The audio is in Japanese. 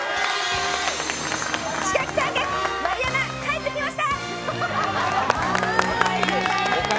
知覚過敏・丸山帰ってきました！